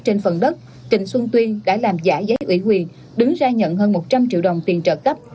trên phần đất trịnh xuân tuyên đã làm giả giấy ủy quyền đứng ra nhận hơn một trăm linh triệu đồng tiền trợ cấp